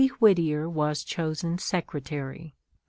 Whittier was chosen Secretary.